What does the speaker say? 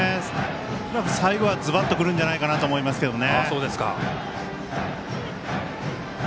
恐らく最後はズバッとくるんじゃないかと思いますけどね。